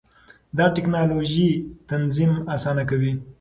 دا ټېکنالوژي تنظیم اسانه کوي.